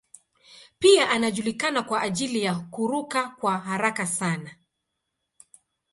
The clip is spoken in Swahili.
Pia anajulikana kwa ajili ya kuruka kwa haraka sana.